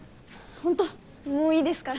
ホントもういいですから。